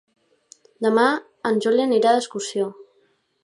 Demà en Juli irà d'excursió.